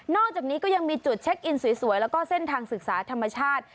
อกจากนี้ก็ยังมีจุดเช็คอินสวยแล้วก็เส้นทางศึกษาธรรมชาติ